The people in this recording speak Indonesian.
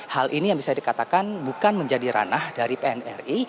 hal ini yang bisa dikatakan bukan menjadi ranah dari pnri